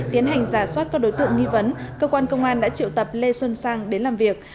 tiến hành giả soát các đối tượng nghi vấn cơ quan công an đã triệu tập lê xuân sang đến làm việc